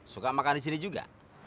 suka makan di sini juga